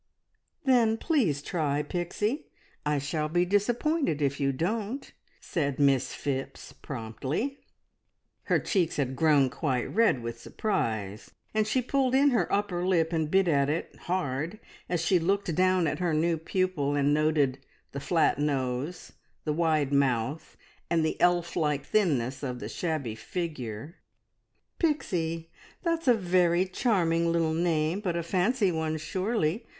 "Then please try, Pixie! I shall be disappointed if you don't!" said Miss Phipps promptly. Her cheeks had grown quite red with surprise, and she pulled in her upper lip, and bit at it hard as she looked down at her new pupil, and noted the flat nose, the wide mouth, and the elf like thinness of the shabby figure. "Pixie! that's a very charming little name, but a fancy one, surely.